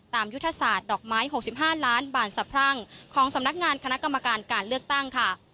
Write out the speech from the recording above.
ยุทธศาสตร์ดอกไม้๖๕ล้านบาทสะพรั่งของสำนักงานคณะกรรมการการเลือกตั้งค่ะ